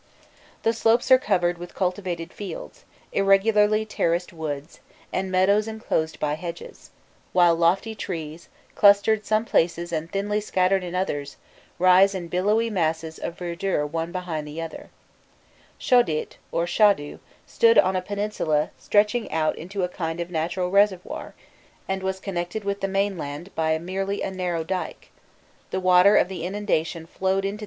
The slopes are covered with cultivated fields, irregularly terraced woods, and meadows enclosed by hedges, while lofty trees, clustered in some places and thinly scattered in others, rise in billowy masses of verdure one behind the other. Shodît [Shâdû] stood on a peninsula stretching out into a kind of natural reservoir, and was connected with the mainland by merely a narrow dyke; the water of the inundation flowed into this reservoir and was stored here during the autumn.